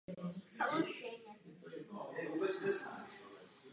Dokonce se dostal i na elektrické křeslo.